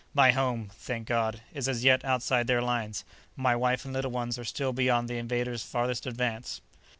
My home, thank God, is as yet outside their lines; my wife and little ones are still beyond the invader's farthest advance."